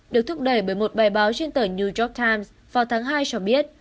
được thúc đẩy bởi một bài báo trên tờ new york times vào tháng hai cho biết